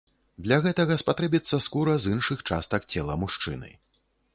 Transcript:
Для гэтага спатрэбіцца скура з іншых частак цела мужчыны.